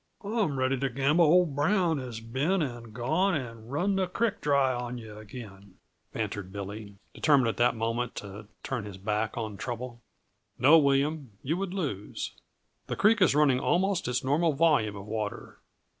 "I'm ready to gamble old Brown has been and gone and run the creek dry on yuh again," bantered Billy, determined at that moment to turn his back on trouble. "No, William, you would lose. The creek is running almost its normal volume of water.